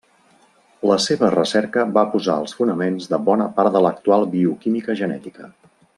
La seva recerca va posar els fonaments de bona part de l'actual bioquímica genètica.